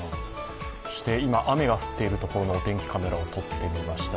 今雨が降っているところのお天気カメラをとってみました。